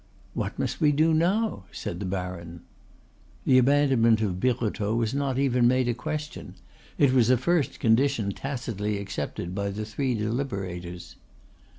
"What must we do now?" said the baron. The abandonment of Birotteau was not even made a question; it was a first condition tacitly accepted by the three deliberators.